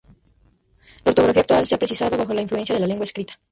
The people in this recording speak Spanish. La ortografía actual se ha precisado bajo la influencia de la lengua escrita.